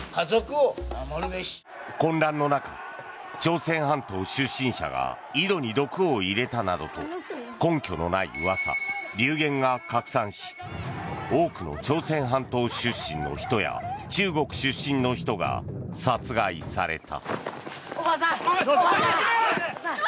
混乱の中、朝鮮半島出身者が井戸に毒を入れたなどと根拠のない噂、流言が拡散し多くの朝鮮半島出身の人や中国出身の人が殺害された。